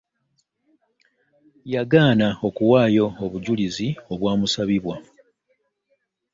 Yagaana okuwaayo obujulizi obwamusabibwa